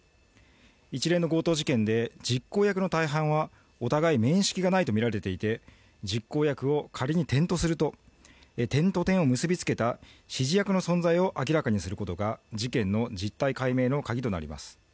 一連の強盗事件で実行役の大半はお互い面識がないとみられていて実行役を仮に点とすると点と点を結びつけた指示役の存在を明らかにすることが事件の実体解明のカギとなります。